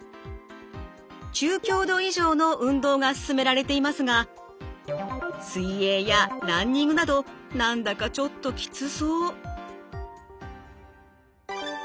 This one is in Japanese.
中強度以上の運動が勧められていますが水泳やランニングなど何だかちょっときつそう。